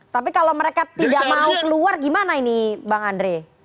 tapi kalau mereka tidak mau keluar gimana ini bang andre